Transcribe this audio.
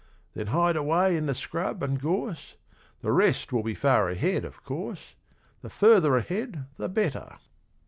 Then hide away in the scrub and gorse The rest will be far ahead of course The further ahead the better.